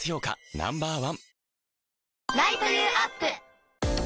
Ｎｏ．１